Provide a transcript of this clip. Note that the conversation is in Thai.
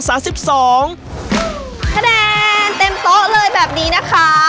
คะแนนเต็มโต๊ะเลยแบบนี้นะคะ